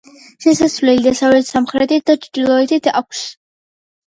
შესასვლელი დასავლეთით, სამხრეთით და ჩრდილოეთით აქვს.